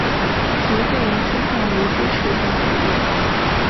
其个人倾向于支持本土立场。